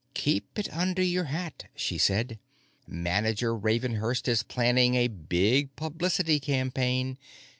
"Keep it under your hat," she said. "Manager Ravenhurst is planning a big publicity campaign.